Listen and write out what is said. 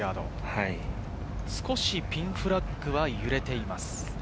少しピンフラッグは揺れています。